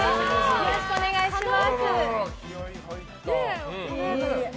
よろしくお願いします。